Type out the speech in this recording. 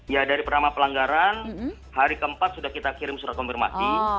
ya dari pertama pelanggaran hari keempat sudah kita kirim surat konfirmasi